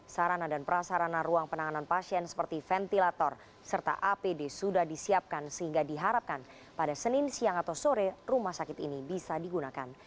sarana dan prasarana ruang penanganan pasien seperti ventilator serta apd sudah disiapkan sehingga diharapkan pada senin siang atau sore rumah sakit ini bisa digunakan